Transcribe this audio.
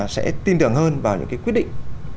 sẽ tin tưởng hơn vào những cái quyết định